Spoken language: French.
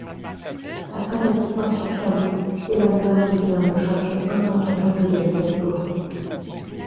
Après sa victoire sur Qawi, Evander devient le champion incontournable de la catégorie.